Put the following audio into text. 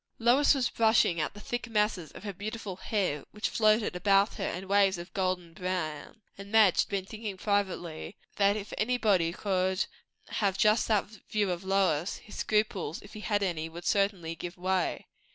Lois was brushing out the thick masses of her beautiful hair, which floated about over her in waves of golden brown; and Madge had been thinking, privately, that if anybody could have just that view of Lois, his scruples if he had any would certainly give way.